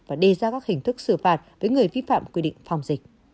và đề ra các hình thức xử phạt với người vi phạm quy định phòng dịch